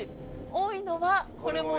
多いのは。